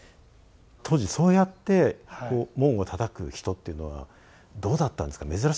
当時そうやって門をたたく人っていうのはどうだったんですか珍しかったんじゃないですか？